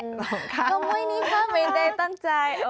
น้องหมวยนี้ค่ะเม้นเต้ตั้งใจ